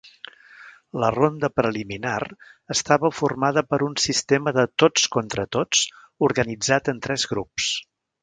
La ronda preliminar estava formada per un sistema de tots contra tots organitzat en tres grups.